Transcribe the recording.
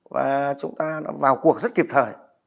và chúng ta vào cuộc rất kịp thời